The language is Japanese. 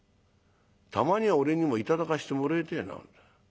たまには俺にも頂かしてもれえてえな。